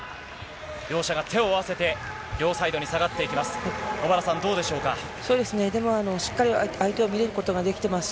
両者が手を合わせて、両サイドに下がっていきます。